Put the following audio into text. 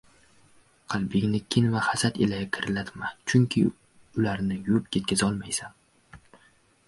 • Qalbingni kin va hasad ila kirlatma. Chunki ularni yuvib ketkazolmaysan.